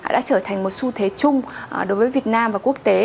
đã trở thành một xu thế chung đối với việt nam và quốc tế